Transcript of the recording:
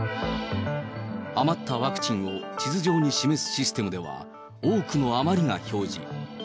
余ったワクチンを地図上に示すシステムでは、多くの余りが表示。